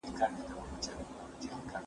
زه هڅه کوم چې د ټولنې لپاره ګټور شم.